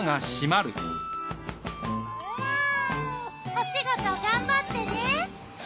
お仕事頑張ってね。